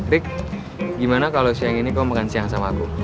pik gimana kalau siang ini kok makan siang sama aku